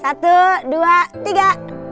satu dua tiga